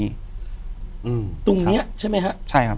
อยู่ที่แม่ศรีวิรัยิลครับ